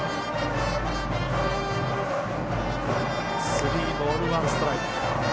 スリーボールワンストライク。